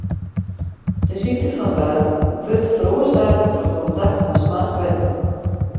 De sykte fan Weil wurdt feroarsake troch kontakt mei smoarch wetter.